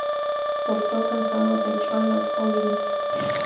Portó calzado de Charlotte Olympia.